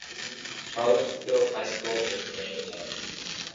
Charlottesville High School is the reigning champion.